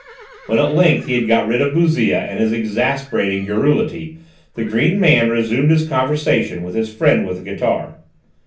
When at length he got rid of Bouzille and his exasperating garrulity, the green man resumed his conversation with his friend with the guitar.